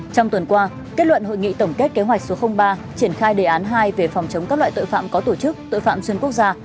trong tuần qua kết luận hội nghị tổng kết kế hoạch số ba triển khai đề án hai về phòng chống các loại tội phạm có tổ chức tội phạm xuyên quốc gia